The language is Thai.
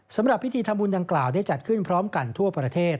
สำหรับพิธีทำบุญดังกล่าวได้จัดขึ้นพร้อมกันทั่วประเทศ